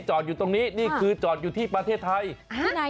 อยู่ตรงนี้นี่คือจอดอยู่ที่ประเทศไทย